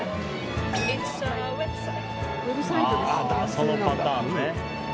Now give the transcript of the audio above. そのパターンね。